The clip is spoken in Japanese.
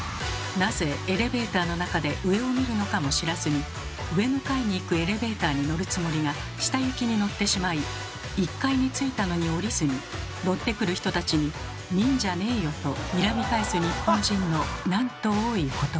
なぜエレベーターの中で上を見るのかも知らずに上の階に行くエレベーターに乗るつもりが下行きに乗ってしまい１階に着いたのに降りずに乗ってくる人たちに「見んじゃねーよ」とにらみ返す日本人のなんと多いことか。